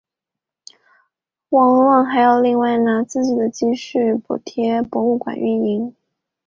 王文旺还要另拿自己的积蓄补贴博物馆运营。